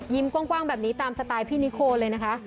กว้างแบบนี้ตามสไตล์พี่นิโคเลยนะคะ